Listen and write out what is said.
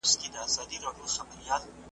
په څپو او په موجونو کي ورکیږي ,